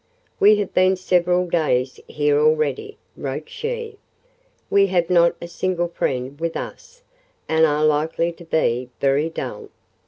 "We have been several days here already," wrote she. "We have not a single friend with us, and are likely to be very dull.